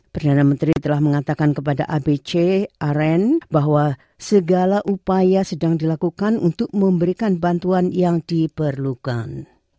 perdana menteri telah mengatakan kepada abc aren bahwa segala upaya sedang dilakukan untuk memberikan bantuan yang diperlukan